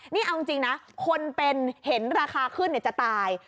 นี่เอาจริงนะคนเป็นเห็นราคาขึ้นจะตาย